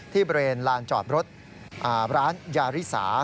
บริเวณลานจอดรถร้านยาริสา